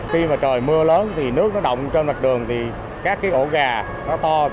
khi trời mưa lớn nước đọng trên mặt đường các ổ gà to